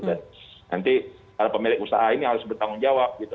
dan nanti para pemilik usaha ini harus bertanggung jawab gitu